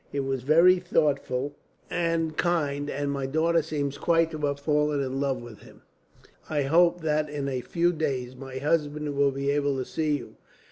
It was very thoughtful and kind, and my daughter seems quite to have fallen in love with him. "I hope that in a few days my husband will be able to see you.